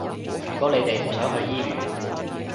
如果你哋唔想去醫院